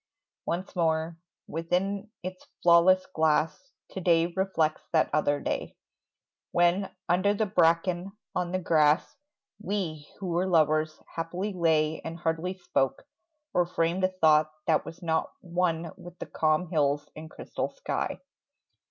Once more ... Within its flawless glass To day reflects that other day, When, under the bracken, on the grass, We who were lovers happily lay And hardly spoke, or framed a thought That was not one with the calm hills And crystal sky.